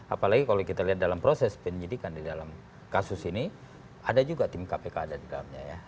apalagi kalau kita lihat dalam proses penyidikan di dalam kasus ini ada juga tim kpk ada di dalamnya ya